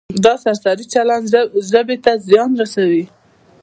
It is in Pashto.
دا سرسري چلند ژبې ته زیان رسوي.